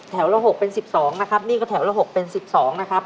ละ๖เป็น๑๒นะครับนี่ก็แถวละ๖เป็น๑๒นะครับ